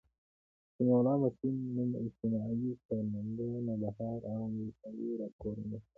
سمیع الله مسلم، نـــوم، اجتماعي کارمنددنــده، نوبهار، اړونــد ولسـوالـۍ، د راپــور نیــټه